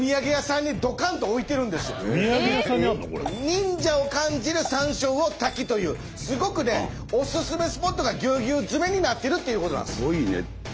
「忍者を感じる」「サンショウウオ」「滝」というすごくねおすすめスポットがぎゅうぎゅう詰めになってるっていうことなんです。